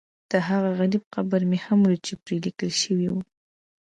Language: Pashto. دهغه غریب قبر مې هم ولیده چې پرې لیکل شوي و.